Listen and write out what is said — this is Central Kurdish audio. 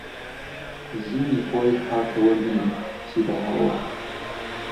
ژینی خۆی هاتەوە بیر پیرەهەڵۆ